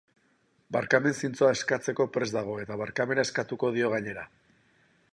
Barkamen zintzoa eskatzeko prest dago eta barkamena eskatuko dio gainera.